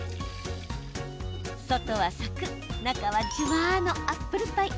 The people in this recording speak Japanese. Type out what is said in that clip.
外はサクッ、中はじゅわのアップルパイ。